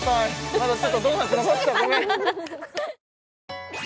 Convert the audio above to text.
まだちょっとドーナツ残ってたごめん！